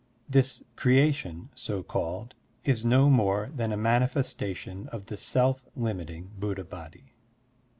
This creation, so called, is no more than a manifestation of the self limiting Buddha Body.